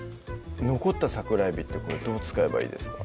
残った桜えびってどう使えばいいですか？